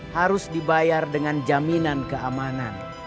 harus dibayar dengan jaminan keamanan